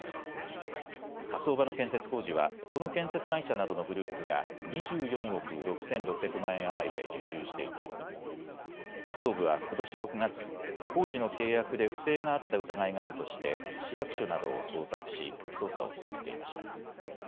火葬場の建設工事はこの建設会社などのグループが２４億６６００万円余りで受注していて特捜部はことし６月、工事の契約で不正があった疑いがあるとして市役所などを捜索し捜査を進めていました。